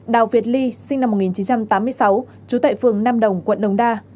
đào việt ly sinh năm một nghìn chín trăm tám mươi sáu chú tệ phường nam đồng quận đống đa